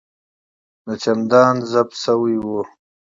د چمدان زپ شوی و.